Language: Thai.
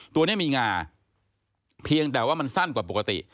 ตัวนี้มีงาเพียงแต่ว่ามันสั้นกว่าปกติ